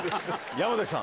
山崎さん